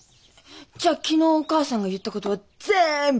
じゃあ昨日お母さんが言ったことはぜんぶ？